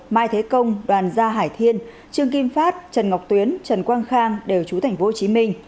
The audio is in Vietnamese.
mai thế công đoàn gia hải thiên trương kim phát trần ngọc tuyến trần quang khang đều trú tp hcm